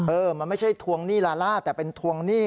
เออมันไม่ใช่ทวงหนี้ลาล่าแต่เป็นทวงหนี้